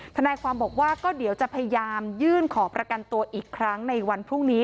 ทนายความบอกว่าก็เดี๋ยวจะพยายามยื่นขอประกันตัวอีกครั้งในวันพรุ่งนี้